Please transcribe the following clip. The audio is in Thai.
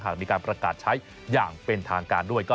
มีการประกาศใช้อย่างเป็นทางการด้วย